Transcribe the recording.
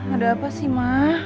ada apa sih ma